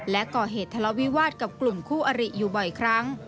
และก่อเหตุทะเลาวิวาสกับกลุ่มคู่อริอยู่บ่อยครั้ง